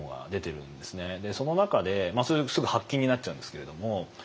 その中でそれすぐ発禁になっちゃうんですけれども。